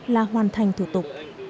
là hoàn thành thủ tục